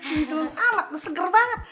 ini calon anak udah seger banget